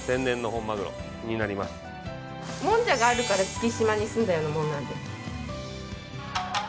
もんじゃがあるから月島に住んだようなもんなんで。